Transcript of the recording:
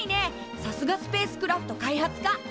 さすがスペースクラフト開発科！